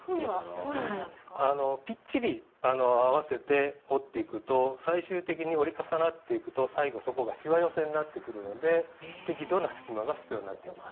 きっちり合わせて折っていくと最終的に折り重なっていくと最後そこがしわ寄せになってくるので適度な隙間が必要になってきます。